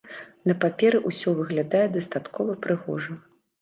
На паперы ўсё выглядае дастаткова прыгожа.